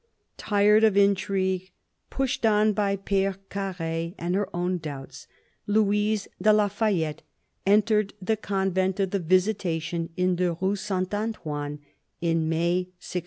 Tired of intrigue, pushed on by P6re Carre and her own doubts, Louise de la Fayette entered the Convent of the Visitation in the Rue Saint Antoine, in May 1637.